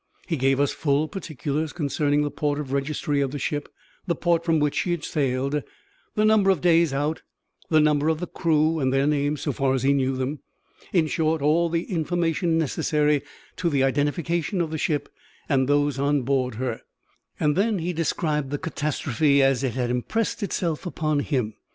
He gave us full particulars concerning the port of registry of the ship; the port from which she had sailed; the number of days out; the number of the crew, and their names, so far as he knew them in short, all the information necessary to the identification of the ship and those on board her; and then he described the catastrophe as it had impressed itself upon him.